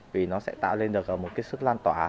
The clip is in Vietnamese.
vì nó sẽ tạo lên được một cái sức lan tỏa